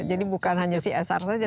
jadi bukan hanya csr saja